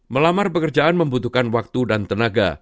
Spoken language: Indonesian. melamar pekerjaan membutuhkan waktu dan tenaga